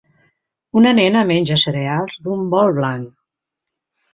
Una nena menja cereals d'un bol blanc.